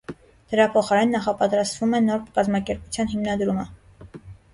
Դրա փոխարեն նախապատրաստվում է նոր կազմակերպության հիմնադրումը։